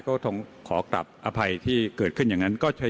ก็ต้องขอกลับอภัยที่เกิดขึ้นอย่างนั้น